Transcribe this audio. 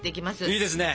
いいですね。